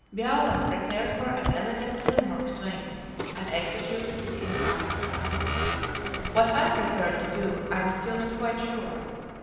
Bjaaland prepared for an elegant "Telemark swing," and executed it in fine style. What I prepared to do, I am still not quite sure.